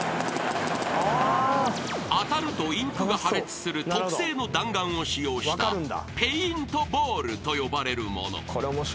［当たるとインクが破裂する特製の弾丸を使用したペイントボールと呼ばれるもの］